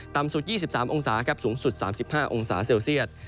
ตามสุด๒๓องศาสูงสุด๓๕องศาเซลเซียส